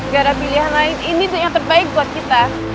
gara pilihan lain ini tuh yang terbaik buat kita